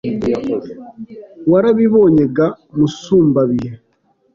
Warabibonye ga Musumbabihe